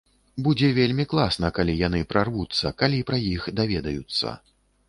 Будзе вельмі класна, калі яны прарвуцца, калі пра іх даведаюцца.